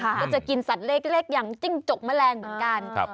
ก็จะกินสัตว์เล็กอย่างจิ้งจกแมลงเหมือนกัน